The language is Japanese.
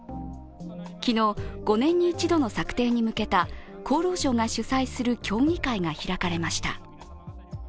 昨日、５年に１度の策定に向けた厚労省が主催する今日議会が開かれました。